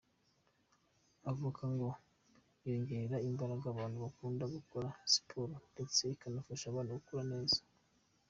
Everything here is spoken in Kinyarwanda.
Avoka ngo yongerera imbaraga abantu bakunda gukora siporo ndtse ikanafasha abana gukura neza.